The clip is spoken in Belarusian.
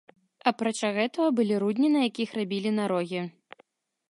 Апрача гэтага, былі рудні, на якіх рабілі нарогі.